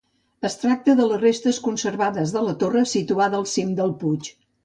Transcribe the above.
Es tracta de les restes conservades de la torre situada al cim del puig.